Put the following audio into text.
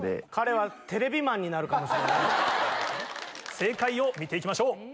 正解を見て行きましょう。